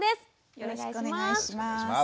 よろしくお願いします。